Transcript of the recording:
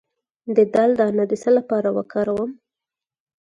د دال دانه د څه لپاره وکاروم؟